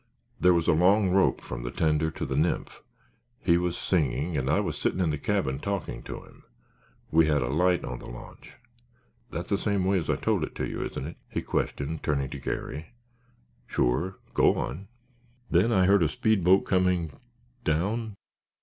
There was a long rope from the tender to the Nymph. He was singing and I was sitting in the cabin talking to him. We had a light on the launch. That's the same way as I told it to you—isn't it?" he questioned, turning to Garry. "Sure—go on." "Then I heard a speed boat coming—down?"